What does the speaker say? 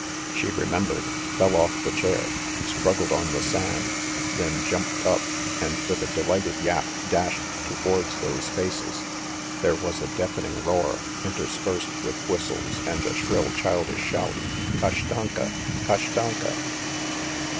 ... She remembered, fell off the chair, struggled on the sand, then jumped up, and with a delighted yap dashed towards those faces. There was a deafening roar, interspersed with whistles and a shrill childish shout: "Kashtanka! Kashtanka!"